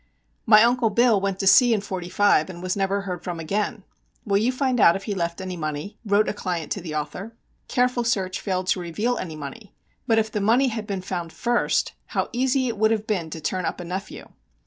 "My Uncle Bill went to sea in '45 and was never heard from again. Will you find out if he left any money?" wrote a client to the author. Careful search failed to reveal any money. But if the money had been found first how easy it would have been to turn up a nephew!